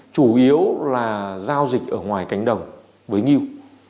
chủ yếu là giao dịch ở ngoài cánh đồng với ngư